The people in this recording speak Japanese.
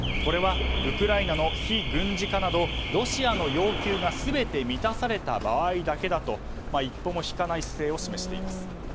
軍事作戦を停止する条件としてこれはウクライナの非軍事化などロシアの要求が全て満たされた場合だけだと一歩も引かない姿勢を示しています。